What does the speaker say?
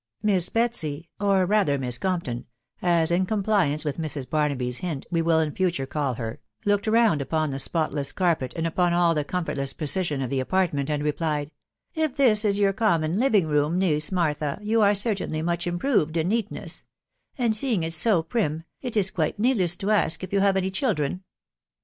Miss Betsy, or rather Miss Compton, (as, in compliance with Mrs. Barnaby 's hint, we will in future call her,) looked round upon the spotless carpet, and upon all the comfortless precision of the apartment, and replied, —*' If this is your common living room, niece Martha, you are certainly much improved in neatness; and seeing it so prim, it is quite needless to ask if you have any children."